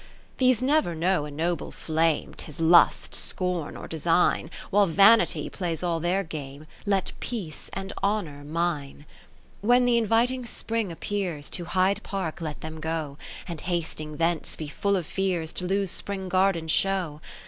60 These never know a noble flame, 'Tis lust, scorn, or Design : While Vanity plays all their game, Let Peace and Honour mine. When the inviting Spring appears, To Hyde Park let them go, And hasting thence be full of fears To lose Spring Garden show.